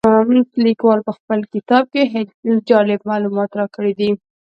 لیکوال په خپل کتاب کې جالب معلومات راکړي دي.